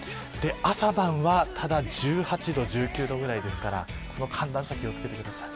朝晩はただ１８度１９度ぐらいですからこの寒暖差気を付けてください。